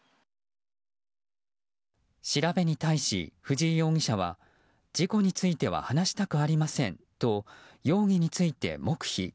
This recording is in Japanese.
調べに対し、藤井容疑者は事故については話したくありませんと容疑について黙秘。